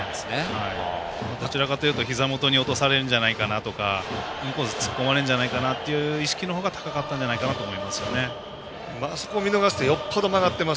どちらかというとひざ元に落とされるんじゃないかなとかインコース突っ込まれんじゃないかなという意識のほうが高かったんじゃないかなと思います。